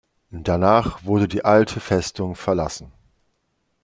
Danach wurde die alte Festung verlassen.